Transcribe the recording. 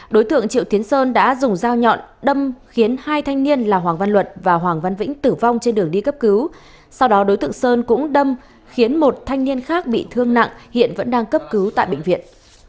đối tượng triệu tiến sơn đã dùng dao nhọn đâm khiến hai thanh niên là hoàng văn luận và hoàng văn vĩnh tử vong trên đường đi cấp cứu sau đó đối tượng sơn cũng đâm khiến một thanh niên khác bị thương nặng hiện vẫn đang cấp cứu tại bệnh viện